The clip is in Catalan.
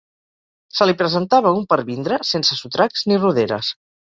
Se li presentava un pervindre, sense sotracs ni roderes